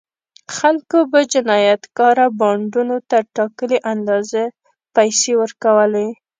خلکو به جنایتکاره بانډونو ته ټاکلې اندازه پیسې ورکولې.